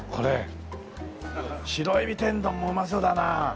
白エビ天丼もうまそうだなあ。